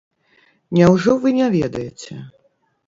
Няўжо вы не ведаеце?